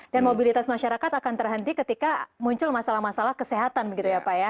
dan mobilitas masyarakat akan terhenti ketika muncul masalah masalah kesehatan begitu ya pak ya